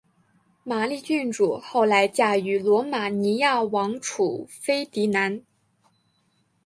玛丽郡主后来嫁予罗马尼亚王储斐迪南。